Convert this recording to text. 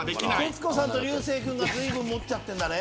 徹子さんと流星君がずいぶん持っちゃってんだね。